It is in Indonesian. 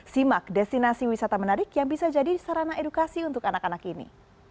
simak destinasi wisata menarik yang bisa jadi sarana edukasi untuk anak anak ini